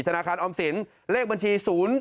ธนาคารออมศิลป์เลขบัญชี๐๒๐๒๕๗๗๑๙๐๔๕